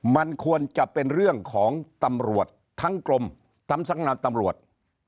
มันควรจะเป็นเรื่องของตำรวจทั้งกรมทั้งสำงานตำรวจ